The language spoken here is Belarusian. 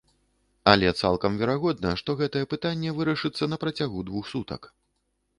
Але цалкам верагодна, што гэтае пытанне вырашыцца на працягу двух сутак.